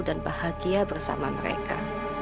dan bahagia bersama mereka